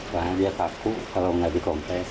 soalnya dia takut kalau nggak dikompres